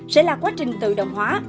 sẽ là quá trình tự động hóa